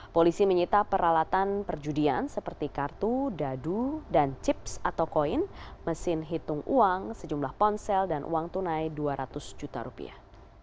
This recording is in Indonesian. polisi menyita peralatan perjudian seperti kartu dadu dan chips atau koin mesin hitung uang sejumlah ponsel dan uang tunai dua ratus juta rupiah